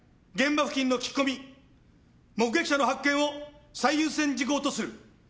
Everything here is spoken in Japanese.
現場付近の聞き込み目撃者の発見を最優先事項とする。